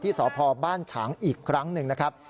สพบ้านฉางอีกครั้งหนึ่งนะครับ